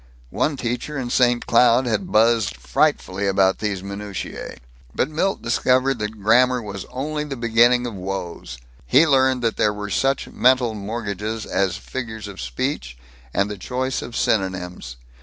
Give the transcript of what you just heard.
One teacher in St. Cloud had buzzed frightfully about these minutiæ. But Milt discovered that grammar was only the beginning of woes. He learned that there were such mental mortgages as figures of speech and the choice of synonyms.